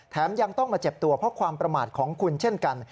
ยังต้องมาเจ็บตัวเพราะความประมาทของคุณเช่นกัน